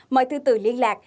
mời thư tử liên lạc